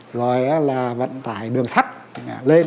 rồi là vận tải đường sắt lên